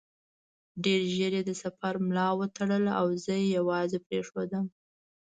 ډېر ژر یې د سفر ملا وتړله او زه یې یوازې پرېښودم.